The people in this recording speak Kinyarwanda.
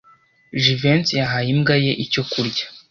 Jivency yahaye imbwa ye icyo kurya.